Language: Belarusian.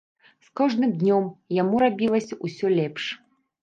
З кожным днём яму рабілася ўсё лепш.